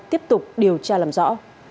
tiếp tục điều tra làm rõ